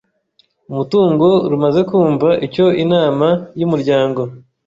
umutungo rumaze kumva icyo Inama y umuryango